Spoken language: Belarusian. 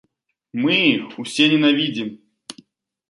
Мы іх усе ненавідзім.